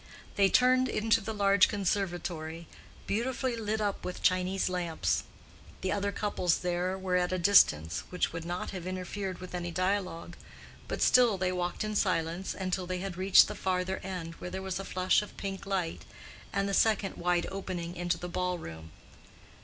They turned into the large conservatory, beautifully lit up with Chinese lamps. The other couples there were at a distance which would not have interfered with any dialogue, but still they walked in silence until they had reached the farther end where there was a flush of pink light, and the second wide opening into the ball room.